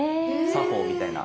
作法みたいな。